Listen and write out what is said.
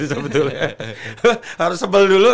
sebetulnya harus sebel dulu